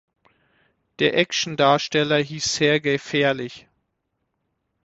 Der Action Darsteller hieß Sergeij Fährlich.